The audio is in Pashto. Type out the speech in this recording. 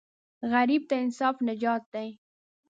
غریب ته انصاف نجات دی